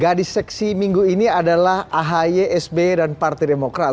gadis seksi minggu ini adalah ahi sb dan parti demokrat